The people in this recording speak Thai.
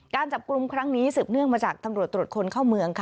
การจับกลุ่มครั้งนี้สืบเนื่องมาจากตำรวจตรวจคนเข้าเมืองค่ะ